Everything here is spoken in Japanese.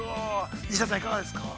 西田さん、いかがですか。